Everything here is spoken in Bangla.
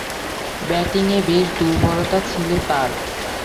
ব্যাটিংয়ে বেশ দূর্বলতা ছিল তার।